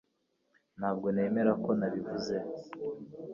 Ntabwo nemera ko nabivuze